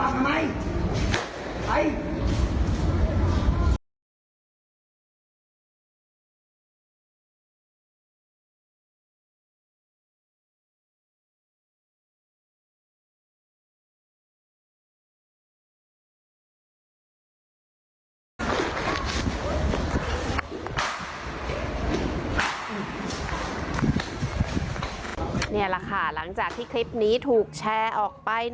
นี่แหละค่ะหลังจากที่คลิปนี้ถูกแชร์ออกไป